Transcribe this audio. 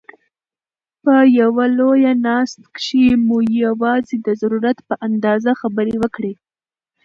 په یوه لویه ناست کښي مو یوازي د ضرورت په اندازه خبري وکړئ!